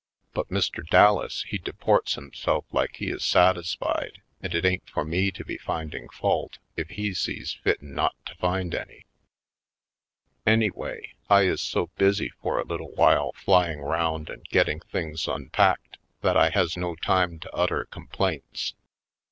But Mr. Dallas he deports himself like he is satisfied and it ain't for me to be finding fault if he sees fitten not to find any. Anyway, I is so busy for a little while flying round and getting things unpacked that I has no time to utter complaints.